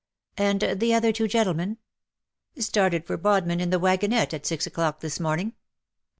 ^'^' And the other two gentlemen ?''" Started for Bodmin in the wagonette at six o'clock this morning."